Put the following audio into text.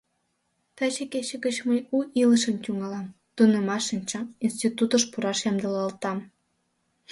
Таче кече гыч мый у илышым тӱҥалам: тунемаш шинчам, институтыш пураш ямдылалтам.